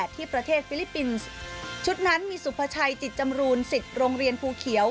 ที่ประเทศฟิลิปปินส์ชุดนั้นมีสุภาชัยจิตจำรูนสิทธิ์โรงเรียนภูเขียว